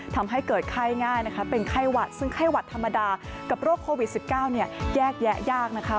ทำให้เกิดไข้ง่ายนะคะเป็นไข้หวัดซึ่งไข้หวัดธรรมดากับโรคโควิด๑๙แยกแยะยากนะคะ